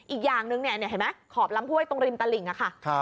อีกอย่างหนึ่งขอบลำห้วยตรงริมตลิ่งค่ะ